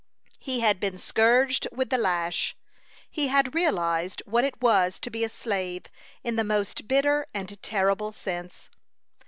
He had been scourged with the lash. He had realized what it was to be a slave in the most bitter and terrible sense.